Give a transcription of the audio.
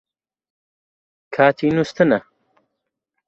کاتی نووستنە